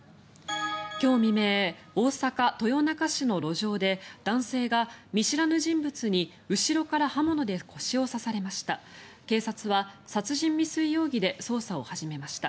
今日未明、大阪・豊中市の路上で男性が見知らぬ人物に後ろから刃物で腰を刺されました。